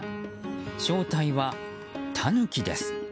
正体はタヌキです。